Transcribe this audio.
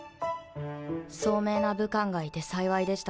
聡明な武官がいて幸いでした。